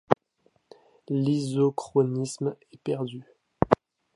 L'isochronisme est perdu.